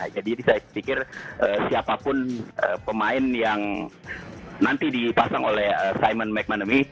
saya pikir siapapun pemain yang nanti dipasang oleh simon mcmanamy